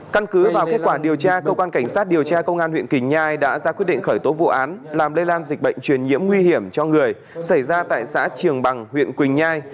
căn cứ vào kết quả điều tra cơ quan cảnh sát điều tra công an huyện quỳnh nhai đã ra quyết định khởi tố vụ án làm lây lan dịch bệnh truyền nhiễm nguy hiểm cho người xảy ra tại xã trường bằng huyện quỳnh nhai